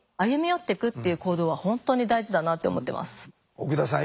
奥田さん